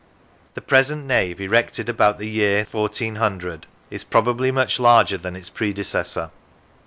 The present nave, erected about the year 1400, is probably much larger than its predecessor.